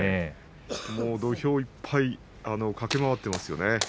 土俵いっぱい駆け回っていますよね